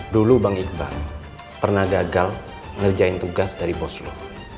dulu bang iqbal pernah gagal ngerjain tugas dari boslo